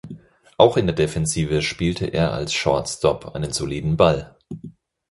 Auch in der Defensive spielte er als Shortstop einen soliden Ball.